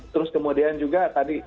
terus kemudian juga tadi